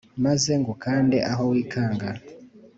maze ngukande aho wikanga